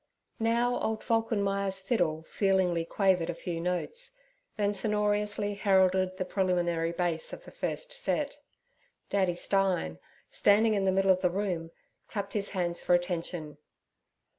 Now old Falkenmeyer's fiddle feelingly quavered a few notes, then sonorously heralded the preliminary bass of the first set. Daddy Stein, standing in the middle of the room, clapped his hands for attention.